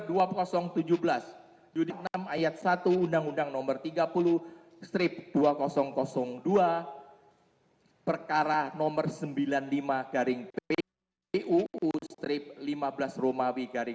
judicial review pasal dua belas ayat satu huruf b undang undang nomor tiga puluh tahun dua ribu dua pekara nomor sembilan puluh lima garing puu strip lima belas romawi garing dua ribu tujuh belas